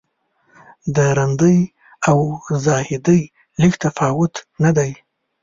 د رندۍ او زاهدۍ لږ تفاوت نه دی.